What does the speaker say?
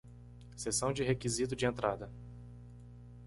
Seção de requisito de entrada